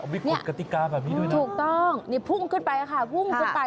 เห้ยหรอมีกฎกติกาแบบนี้ด้วยนะนี่พุ่งขึ้นไปค่ะพุ่งขึ้นไป